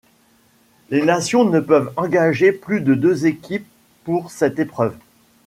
Les nations ne peuvent engager plus de deux équipes pour cette épreuve.